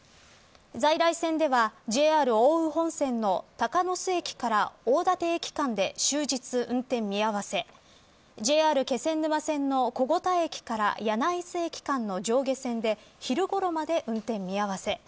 在来線ではＪＲ奥羽本線の鷹ノ巣駅から大館駅間で終日、運転見合わせＪＲ気仙沼線の小牛田駅から柳津駅間の上下線で昼ごろまで、運転見合わせ。